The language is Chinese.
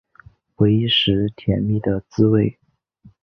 回忆时甜蜜的滋味